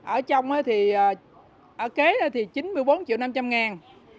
ở trong thì kế là chín mươi bốn triệu năm trăm linh ngàn